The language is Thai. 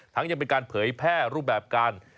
ยังเป็นการเผยแพร่รูปแบบการ